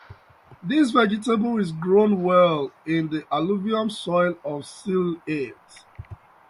This vegetable is grown well in the alluvium soil of Sylhet.